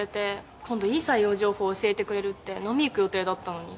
今度いい採用情報教えてくれるって飲み行く予定だったのに。